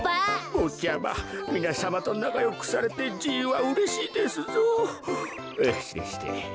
ぼっちゃまみなさまとなかよくされてじいはうれしいですぞ。